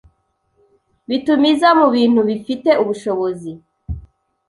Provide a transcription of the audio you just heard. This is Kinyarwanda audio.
bituma iza mu bintu bifite ubushobozi